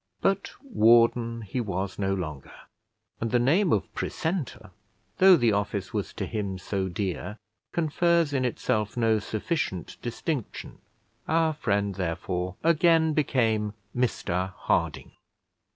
But warden he was no longer, and the name of precentor, though the office was to him so dear, confers in itself no sufficient distinction; our friend, therefore, again became Mr Harding.